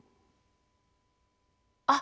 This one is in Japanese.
あっ！